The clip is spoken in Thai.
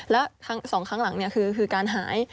แล้ว๒ครั้งหลังคือการหาย